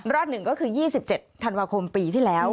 ๑ก็คือ๒๗ธันวาคมปีที่แล้ว